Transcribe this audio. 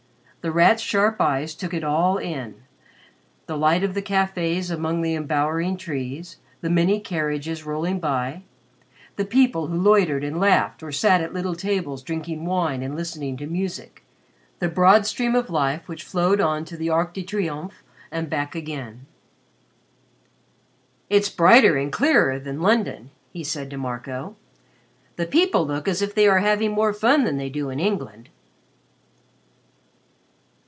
The Rat's sharp eyes took it all in the light of the cafés among the embowering trees, the many carriages rolling by, the people who loitered and laughed or sat at little tables drinking wine and listening to music, the broad stream of life which flowed on to the Arc de Triomphe and back again. "It's brighter and clearer than London," he said to Marco. "The people look as if they were having more fun than they do in England."